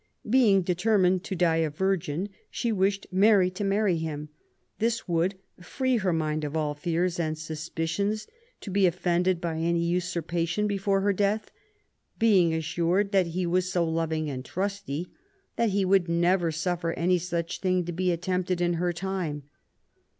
Being determined to die a virgin, she wished Mary to marry him; this would "free her mind of all fears and suspicions to be offended by any usurpation before her death ; being assured that he was so loving and trusty that he would never suffer any such thing to be attempted in her time